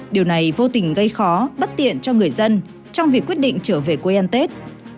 điều này vô tình gây khó bất tiện cho người dân trong việc quyết định trở về quê ăn tết